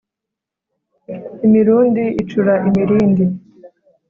imirundi icura imirindi